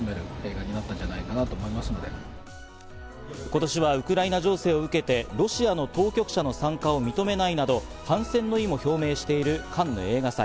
今年はウクライナ情勢を受けて、ロシアの当局者の参加を認めないなど反戦の意も表明しているカンヌ映画祭。